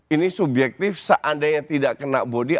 ini subjektif seandainya tidak kena bodi